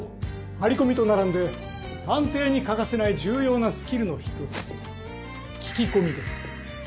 張り込みと並んで探偵に欠かせない重要なスキルの一つ聞き込みです。